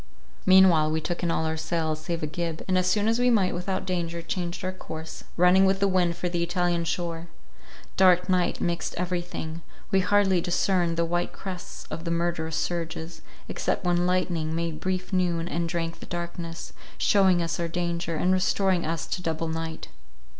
Meanwhile we took in all our sails, save a gib; and, as soon as we might without danger, changed our course, running with the wind for the Italian shore. Dark night mixed everything; we hardly discerned the white crests of the murderous surges, except when lightning made brief noon, and drank the darkness, shewing us our danger, and restoring us to double night.